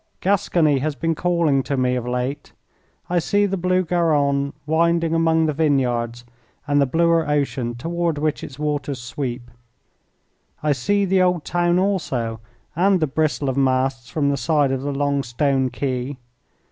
Gascony has been calling to me of late. I see the blue Garonne winding among the vineyards and the bluer ocean toward which its waters sweep. I see the old town also, and the bristle of masts from the side of the long stone quay.